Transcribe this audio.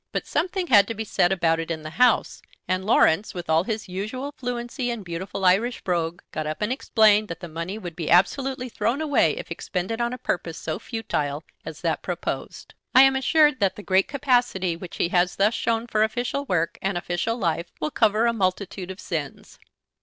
But something had to be said about it in the House, and Laurence, with all his usual fluency and beautiful Irish brogue, got up and explained that the money would be absolutely thrown away if expended on a purpose so futile as that proposed. I am assured that the great capacity which he has thus shown for official work and official life will cover a multitude of sins."